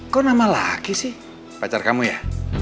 kok nama laki sih pacar kamu ya